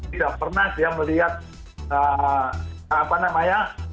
tidak pernah dia melihat apa namanya